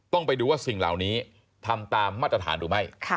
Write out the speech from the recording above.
ต้องไปดูว่าสิ่งเหล่านี้ทำตามมาตรฐานหรือไม่